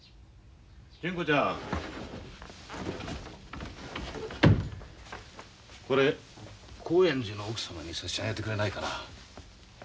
純子ちゃん。これ興園寺の奥様に差し上げてくれないかな？